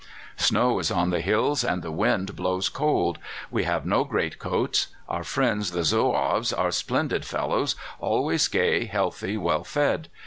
"Snow is on the hills, and the wind blows cold. We have no greatcoats. Our friends the Zouaves are splendid fellows, always gay, healthy, well fed.